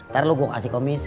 nanti gue kasih komentar